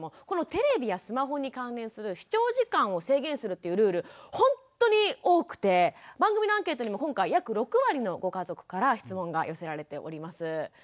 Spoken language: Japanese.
このテレビやスマホに関連する視聴時間を制限するっていうルールほんとに多くて番組のアンケートにも今回約６割のご家族から質問が寄せられております。